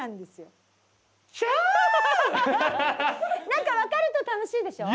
なんか分かると楽しいでしょ？